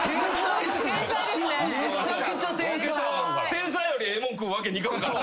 天才よりええもん食うわけにいかんから。